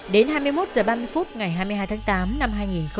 đến hai mươi một h ba mươi phút ngày hai mươi hai tháng tám năm hai nghìn hai mươi